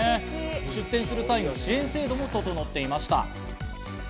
出店する際の支援制度も整っていました。